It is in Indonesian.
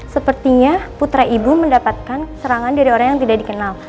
sepertinya putra ibu mendapatkan serangan dari orang yang tidak dikenal